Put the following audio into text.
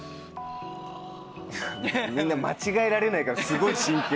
みんな間違えられないからすごい真剣。